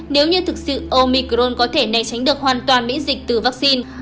nếu như thực sự omicron có thể này tránh được hoàn toàn miễn dịch từ vaccine